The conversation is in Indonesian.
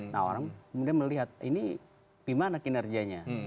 nah orang kemudian melihat ini gimana kinerjanya